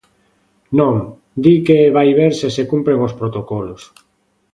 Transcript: Non, di que vai ver se se cumpren os protocolos.